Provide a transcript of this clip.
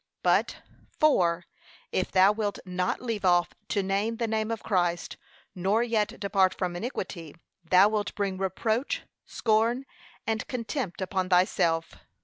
But, 4. If thou wilt not leave off to name the name of Christ, nor yet depart from iniquity, thou wilt bring reproach, scorn, and contempt upon thyself.